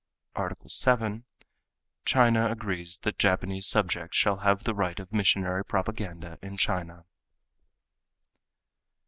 "Art. 7: China agrees that Japanese subjects shall have the right of missionary propaganda in China."